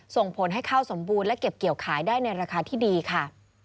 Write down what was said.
ส่งผลให้ข้าวสมบูรณ์และเก็บเกี่ยวขายได้ในราคาที่ดีค่ะ